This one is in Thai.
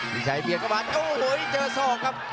มีชายเบียนเข้ามาโอ้โหเจอส่องครับ